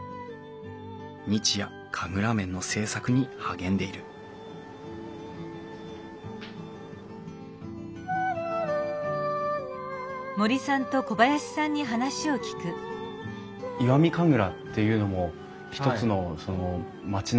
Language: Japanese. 日夜神楽面の制作に励んでいる石見神楽っていうのも一つの町の景色だと思うんですけれども。